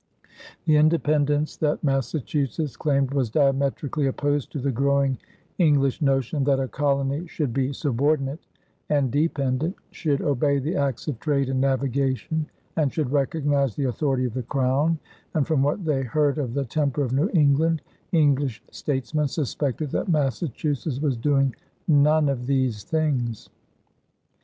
The independence that Massachusetts claimed was diametrically opposed to the growing English notion that a colony should be subordinate and dependent, should obey the acts of trade and navigation, and should recognize the authority of the Crown; and, from what they heard of the temper of New England, English statesmen suspected that Massachusetts was doing none of these things.